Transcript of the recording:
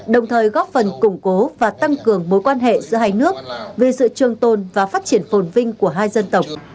đồng thời góp phần củng cố và tăng cường mối quan hệ giữa hai nước về sự trường tồn và phát triển phồn vinh của hai dân tộc